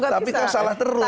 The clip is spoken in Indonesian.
tapi kau salah terus